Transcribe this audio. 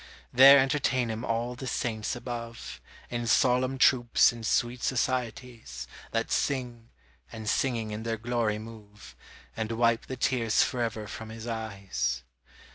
There entertain him all the saints above, In solemn troops and sweet societies, That sing, and singing in their glory move, And wipe the tears forever from his eyes.